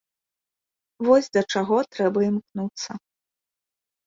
Вось да чаго трэба імкнуцца.